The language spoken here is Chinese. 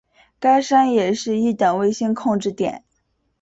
该山也是一等卫星控制点。